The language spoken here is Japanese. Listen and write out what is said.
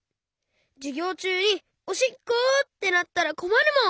じゅぎょうちゅうに「おしっこ！」ってなったらこまるもん。